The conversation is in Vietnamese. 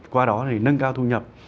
qua đó thì nâng cao thu nhập